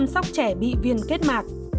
một số lưu ý chăm sóc trẻ bị viên kết mạc